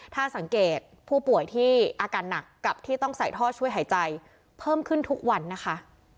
ถ้าสังเกตผู้ป่วยที่อาการหนักกับที่ต้องใส่ท่อช่วยหายใจเพิ่มขึ้นทุกวันนะคะ